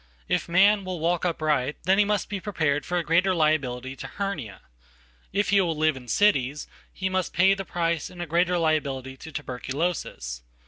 If man will walk upright then he must be prepared for a greaterliability to hernia. If he will live in cities he must pay theprice in a greater liability to tuberculosis.